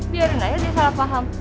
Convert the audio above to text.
biarin aja dia salah paham